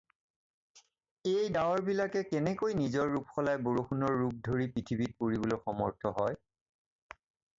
এই ডাৱৰবিলাকে কেনেকৈ নিজৰ ৰূপ সলাই বৰষুণৰ ৰূপ ধৰি পৃথিবীত পৰিবলৈ সমৰ্থ হয়?